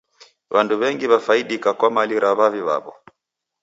W'andu w'engi w'afaidika kwa mali ra w'avi w'aw'o.